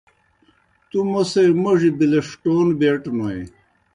تُوْ موْسے موڙیْ بِلِݜٹَون بیٹوْنوئے۔